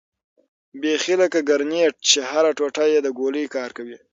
بيخي لکه ګرنېټ چې هره ټوټه يې د ګولۍ کار کوي.